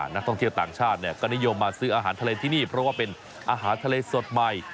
นักท่องเที่ยวต่างชาติก็นิยมมาซื้ออาหารทะเลที่นี่เพราะว่าเป็นอาหารทะเลสดใหม่